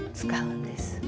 使うんです。